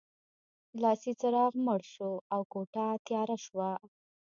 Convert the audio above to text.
لاسي څراغ مړ شو او کوټه تیاره شوه